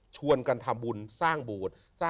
ชวนกันทำบุญสร้างโบสถ์